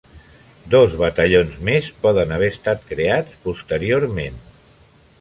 Dos batallons més poden haver estat creats posteriorment.